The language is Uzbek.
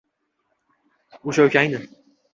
O‘sha ukangni!